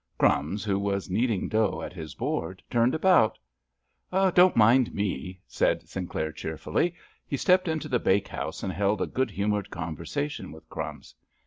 "Crumbs," who was kneading dough at his board, turned about. "Don't mind me," said Sinclair cheerfully. He stepped into the bakehouse and held a good humoured conversation with "Crumbs."